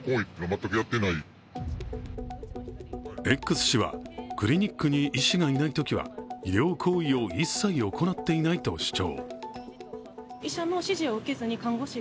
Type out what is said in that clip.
Ｘ氏はクリニックに医師がいないときは医療行為を一切行っていないと主張。